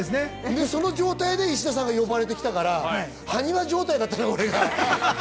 その状態で石田さんが呼ばれて来たからはにわ状態だったの。